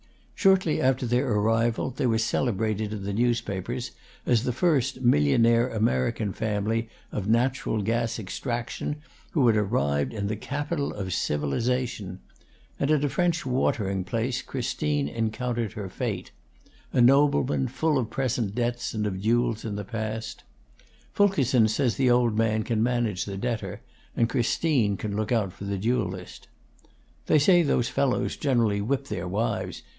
Shortly after their arrival they were celebrated in the newspapers as the first millionaire American family of natural gas extraction who had arrived in the capital of civilization; and at a French watering place Christine encountered her fate a nobleman full of present debts and of duels in the past. Fulkerson says the old man can manage the debtor, and Christine can look out for the duellist. "They say those fellows generally whip their wives.